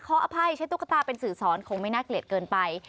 ขออภัยใช้ตุ๊กตาเป็นสื่อสอนคงไม่น่าเกลียดเกินไป